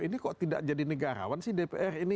ini kok tidak jadi negarawan sih dpr ini